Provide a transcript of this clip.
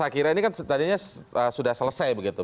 saya kira ini kan tadinya sudah selesai begitu